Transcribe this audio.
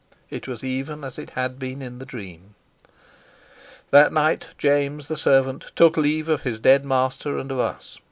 It was even as it had been in the dream. That night James, the servant, took leave of his dead master and of us.